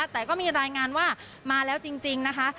แต่ก็มีรายงานว่ามาแล้วจริงนะคะ